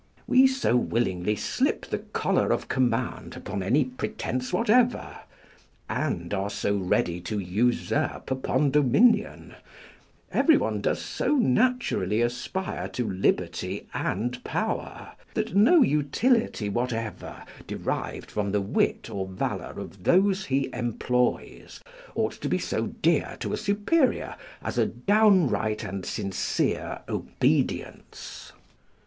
We so willingly slip the collar of command upon any pretence whatever, and are so ready to usurp upon dominion, every one does so naturally aspire to liberty and power, that no utility whatever derived from the wit or valour of those he employs ought to be so dear to a superior as a downright and sincere obedience.